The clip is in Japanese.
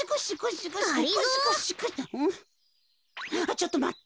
ちょっとまって。